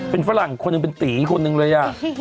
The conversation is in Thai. เป็นฝรั่งคนหนึ่งเป็นตีอีกคนนึงเลย